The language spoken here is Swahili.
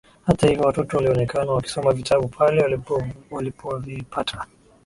Hata hivyo watoto walionekana wakisoma vitabu pale walipovipata.